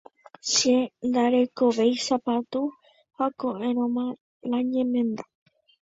Che ndarekovéi sapatu ha ko'ẽrõma la ñemenda.